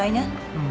うん。